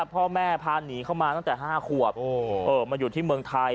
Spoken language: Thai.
พ่อแม่พาหนีเข้ามาตั้งแต่๕ขวบมาอยู่ที่เมืองไทย